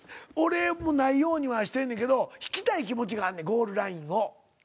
俺ないようにはしてんねんけど引きたい気持ちがあんねんゴールラインを。